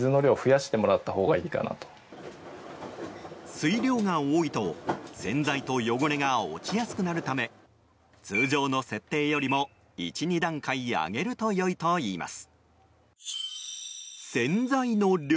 水量が多いと洗剤と汚れが落ちやすくなるため通常の設定よりも１２段階上げると良いといいます。